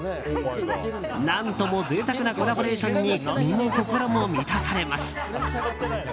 何とも贅沢なコラボレーションに身も心も満たされます。